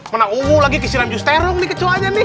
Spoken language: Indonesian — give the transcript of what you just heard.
mana ungu lagi kesiram justerung nih kecoanya nih